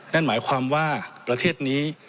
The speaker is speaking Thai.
นั่นหมายความว่าประเทศนี้